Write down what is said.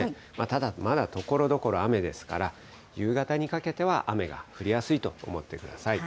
ただ、まだところどころ雨ですから、夕方にかけては雨が降りやすいと思ってください。